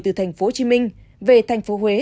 từ tp hcm về tp huế